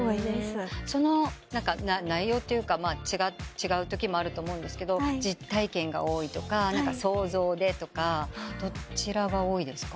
違うときもあると思うんですけど実体験が多いとか想像でとかどちらが多いですか？